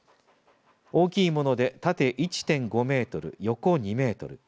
大きいもので縦１．５メートル、横２メートル。